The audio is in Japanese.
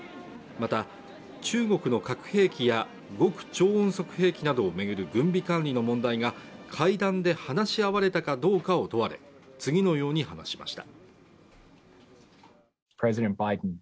また、中国の核兵器や極超音速兵器などをめぐる軍備管理の問題が会談で話し合われたかどうかを問われ、次のように話しました。